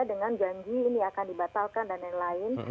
dengan janji ini akan dibatalkan dan lain lain